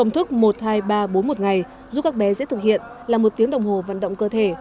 thuốc một hai ba bốn một ngày giúp các bé dễ thực hiện là một tiếng đồng hồ vận động cơ thể